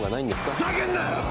ふざけんなよ！